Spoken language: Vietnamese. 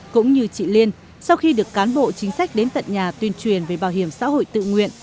cũng như chị liên sau khi được cán bộ chính sách đến tận nhà tuyên truyền về bảo hiểm xã hội tự nguyện